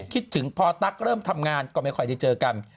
คิดถึงพอตั๊กเริ่มทำงานก็ไม่ค่อยได้เจอกัน